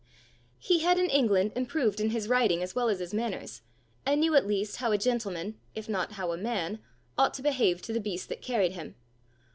He had in England improved in his riding as well as his manners, and knew at least how a gentleman, if not how a man, ought to behave to the beast that carried him.